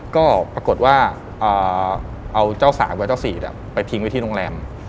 ก็ปรากฏว่าเอาเจ้าสาวกับเจ้าสี่ดไปทิ้งไว้ที่โรงแรม